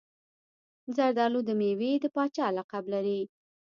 زردالو د میوې د پاچا لقب لري.